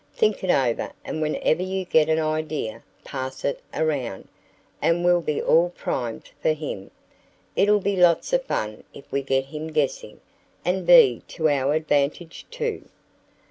Think it over and whenever you get an idea pass it around, and we'll be all primed for him. It'll be lots of fun if we get him guessing, and be to our advantage, too."